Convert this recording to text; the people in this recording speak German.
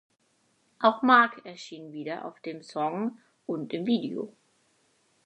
Auch Mark erschien wieder auf dem Song und im Video.